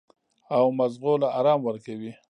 او مزغو له ارام ورکوي -